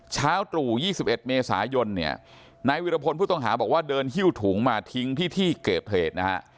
เช้าตรู่๒๑เมษายนเนี่ยนายวิรพลผู้ต้องหาบอกว่าเดินหิ้วถุงมาทิ้งที่ที่เกิดเหตุนะฮะ